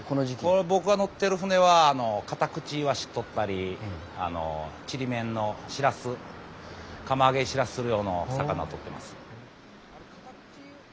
この僕が乗ってる船はカタクチイワシ取ったりちりめんのシラス釜揚げシラスする用の魚を取ってます。